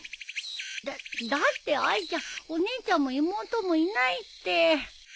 だだってあいちゃんお姉ちゃんも妹もいないって。